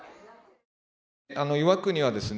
あの岩国はですね